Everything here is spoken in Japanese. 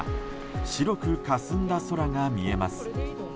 白くかすんだ空が見えます。